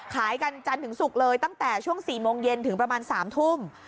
ขายกันจันทร์ถึงศุกร์เลยตั้งแต่ช่วง๔โมงเย็นถึงประมาณ๓ทุ่ม